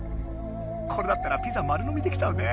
これだったらピザ丸のみできちゃうね。